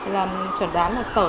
làm chuẩn đoán là sởi